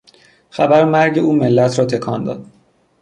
خبر مرگ او ملت را تکان داد.